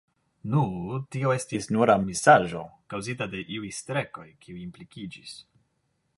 Nu, tio estis nura misaĵo, kaŭzita de iuj strekoj, kiuj implikiĝis.